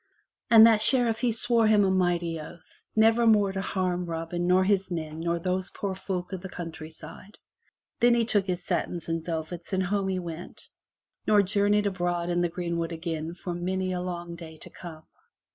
And that Sheriff he swore him a mighty oath, never more to harm Robin nor his men nor those poor folk of the countryside. Then he took his satins and velvets and home he went, nor jour neyed abroad in the greenwood again for many a long day to come.